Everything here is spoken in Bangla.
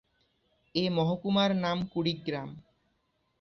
এ মহকুমার নাম 'কুড়িগ্রাম'।